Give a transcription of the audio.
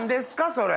それ。